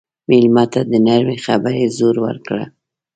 مېلمه ته د نرمې خبرې زور ورکړه.